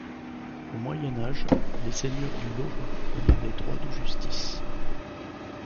Au Moyen Âge, les seigneurs du Loroux y avaient droit de justice.